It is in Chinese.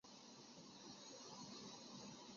韦斯利人口变化图示